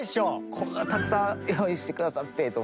こんなたくさん用意して下さってと思って。